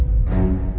aku masih takut